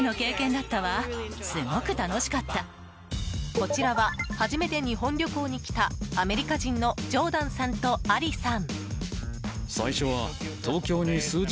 こちらは初めて日本旅行に来たアメリカ人のジョーダンさんとアリさん。